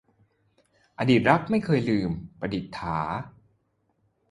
อดีตรักไม่เคยลืม - ประดิษฐา